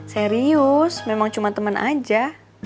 serius memang cuma teman aja